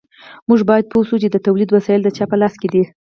موږ باید پوه شو چې د تولید وسایل د چا په لاس کې دي.